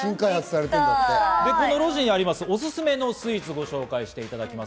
この路地にある、オススメのスイーツをご紹介していただきます。